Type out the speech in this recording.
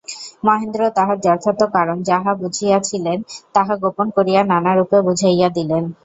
মহেন্দ্র তাহার যথার্থ কারণ যাহা বুঝিয়াছিলেন তাহা গোপন করিয়া নানারূপে বুঝাইয়া দিলেন।